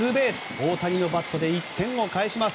大谷のバットで１点を返します。